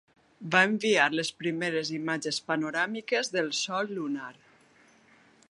Va enviar les primeres imatges panoràmiques del sòl lunar.